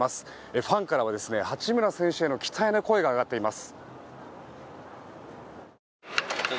ファンからは八村選手への期待の声が上がっています。